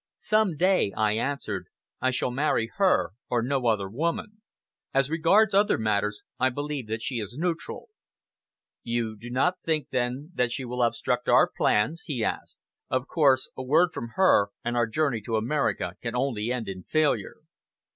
"Some day," I answered, "I shall marry her or no other woman. As regards other matters, I believe that she is neutral." "You do not think, then, that she will obstruct our plans?" he asked. "Of course, a word from her, and our journey to America can only end in failure."